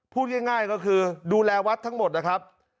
พูดง่ายก็คือดูแลวัดทั้งหมดนะครับ